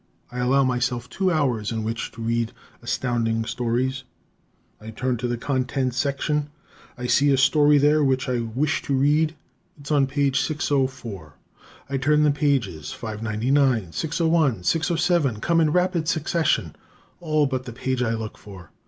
I allow myself two hours in which to read Astounding Stories. I turn to the contents section; I see a story there which I wish to read. It is on page 604. I turn the pages: 599, 601, 607 come in rapid succession, all but the page I look for.